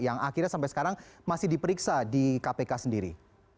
yang akhirnya sampai sekarang masih diperiksa di kpk sendiri